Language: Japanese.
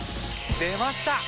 出ました！